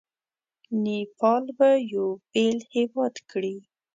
نیپال به یو بېل هیواد کړي.